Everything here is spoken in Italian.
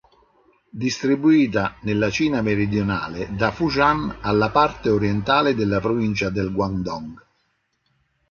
Distribuita nella Cina meridionale da Fujian alla parte orientale della provincia del Guangdong.